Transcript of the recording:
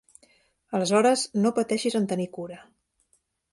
Aleshores, no pateixis en tenir cura.